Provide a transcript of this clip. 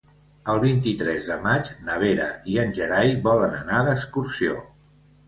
El vint-i-tres de maig na Vera i en Gerai volen anar d'excursió.